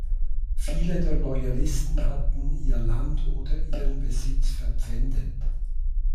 Viele der Loyalisten hatten ihr Land oder ihren Besitz verpfändet.